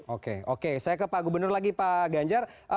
oke oke saya ke pak gubernur lagi pak ganjar